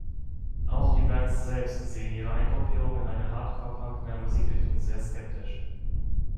Auch die Bands selbst sehen ihre Eingruppierung in eine Hardcore-Punk-nahe Musikrichtung sehr skeptisch.